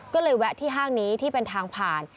ก็เลยแวะที่ห้างนี้ที่เป็นทางผ่าน